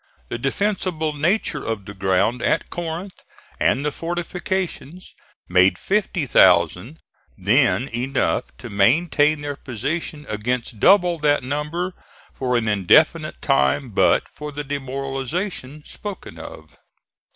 The defensible nature of the ground at Corinth, and the fortifications, made 50,000 then enough to maintain their position against double that number for an indefinite time but for the demoralization spoken of.